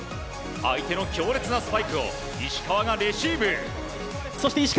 相手の強烈なスパイクを石川がレシーブ。